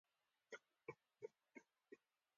ما ستا د لیکلو مېز او پر مېز پراته قلمونه ولیدل.